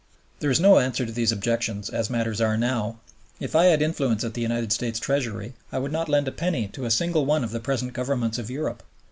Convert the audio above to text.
There is no answer to these objections as matters are now. If I had influence at the United States Treasury, I would not lend a penny to a single one of the present Governments of Europe.